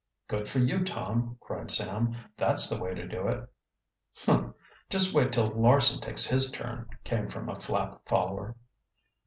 "Good for you, Tom!" cried Sam. "That's the way to do it." "Humph! Just wait till Larson takes his turn," came from a Flapp follower.